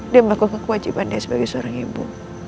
dia melakukan kewajibannya sebagai seorang ibu